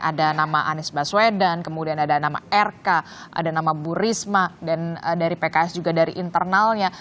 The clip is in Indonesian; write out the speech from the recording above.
ada nama anies baswedan kemudian ada nama rk ada nama bu risma dan dari pks juga dari internalnya